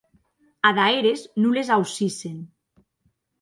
Ada eres non les aucissen.